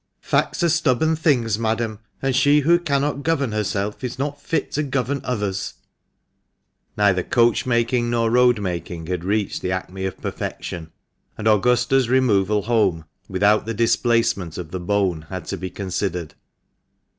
"Facts are stubborn things, madam, and she who cannot govern herself is not fit to govern others." Neither coach making nor road making had reached the acme of perfection, and Augusta's removal home, without the displacement of the bone, had to be considered.